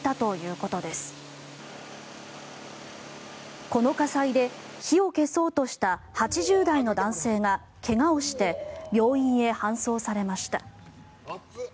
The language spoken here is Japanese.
この火災で、火を消そうとした８０代の男性が怪我をして病院に搬送されました。